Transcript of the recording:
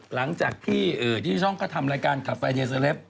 หลังจากที่ช่องก็ทำรายการขัดไฟในเสร็จ